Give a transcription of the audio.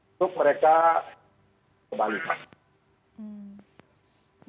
untuk mereka menunggu